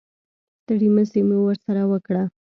ستړې مسې مو ورسره وکړه.